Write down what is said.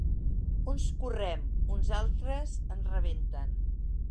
Uns correm, uns altres ens rebenten.